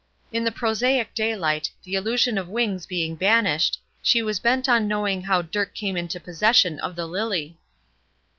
In the prosaic daylight, the illusion of "wings" being banished, she was bent on knowing how Dirk came into possession of the lily.